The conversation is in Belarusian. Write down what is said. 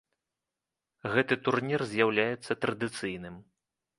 Гэты турнір з'яўляецца традыцыйным.